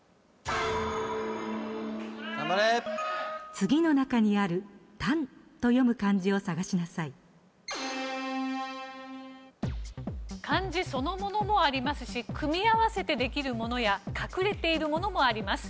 次の中にある漢字そのものもありますし組み合わせてできるものや隠れているものもあります。